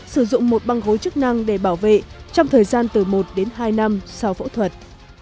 sử dụng một băng gối chức năng để bảo vệ trong thời gian từ một đến hai năm sau phẫu thuật